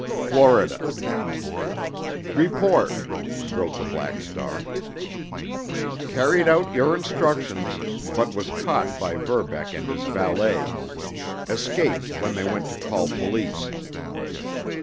"Florida." "Report," wrote the Black Star. "Carried out your instructions, but was caught by Verbeck and his valet. Escaped when they went to call police."